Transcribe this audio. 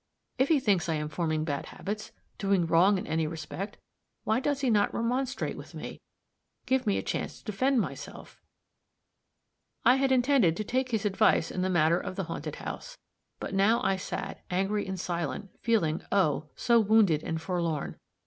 "If he thinks I am forming bad habits, doing wrong in any respect, why does he not remonstrate with me give me a chance to defend myself?" I had intended to take his advice in the matter of the haunted house; but now I sat, angry and silent, feeling, oh, so wounded and forlorn.